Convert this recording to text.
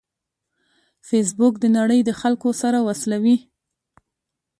فېسبوک د نړۍ د خلکو سره وصلوي